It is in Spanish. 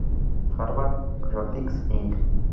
Harvard Graphics, Inc.